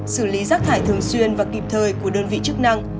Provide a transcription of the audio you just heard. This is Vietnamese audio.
xử lý rác thải thường xuyên và kịp thời của đơn vị chức năng